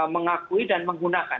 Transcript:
mengakui dan menggunakan